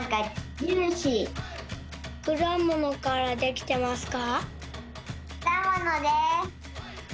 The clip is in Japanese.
くだものからできてますか？